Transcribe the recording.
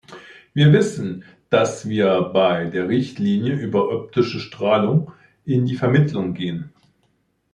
Wir wissen, dass wir bei der Richtlinie über optische Strahlung in die Vermittlung gehen.